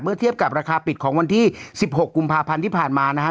เทียบกับราคาปิดของวันที่๑๖กุมภาพันธ์ที่ผ่านมานะฮะ